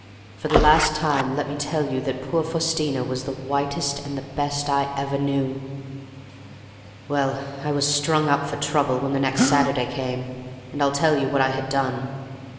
For the last time let me tell you that poor Faustina was the whitest and the best I ever knew. "Well, I was strung up for trouble when the next Saturday came, and I'll tell you what I had done.